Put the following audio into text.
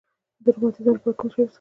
د روماتیزم لپاره کوم چای وڅښم؟